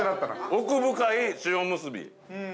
◆奥深い塩むすび。